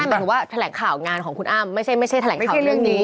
หมายถึงว่าแถลงข่าวงานของคุณอ้ำไม่ใช่แถลงข่าวเรื่องนี้